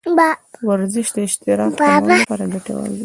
ورزش د اضطراب کمولو لپاره ګټور دی.